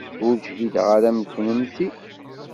Ur ǧhideɣ ara am kennemti.